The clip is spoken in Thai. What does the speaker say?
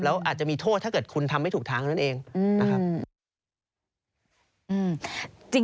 แล้วอาจจะมีโทษถ้าเกิดคุณทำไม่ถูกทางเท่านั้นเองนะครับ